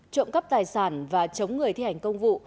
trộm cắp tài sản và chống người thi hành công vụ